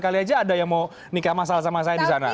kali aja ada yang mau nikah masal sama saya di sana